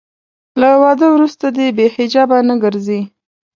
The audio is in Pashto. له واده وروسته دې بې حجابه نه ګرځي.